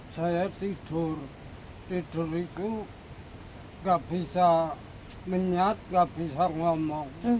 saya tidur tidur itu nggak bisa menyat gak bisa ngomong